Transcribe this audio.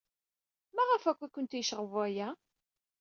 Maɣef akk ay kent-yecɣeb waya?